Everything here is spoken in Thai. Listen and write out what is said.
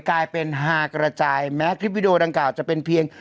กลายเป็นฮากระจายแม้คลิปวิดีโอดังกล่าจะเป็นเพียง